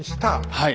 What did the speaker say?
はい。